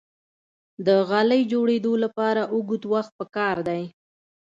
د غالۍ جوړیدو لپاره اوږد وخت پکار دی.